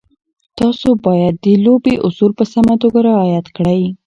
تاسو باید د لوبې اصول په سمه توګه رعایت کړئ.